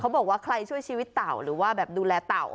บอกว่าใครช่วยชีวิตเต่าหรือว่าแบบดูแลเต่า